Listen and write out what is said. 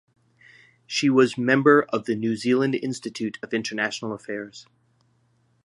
She was member of the New Zealand Institute of International Affairs.